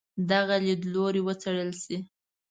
دغه لیدلوری وڅېړل شي.